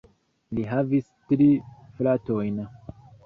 Li havis tri fratojn.